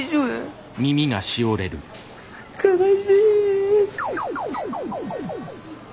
悲しい。